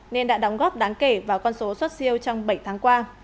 nên đã đóng góp đáng kể vào con số xuất siêu trong bảy tháng qua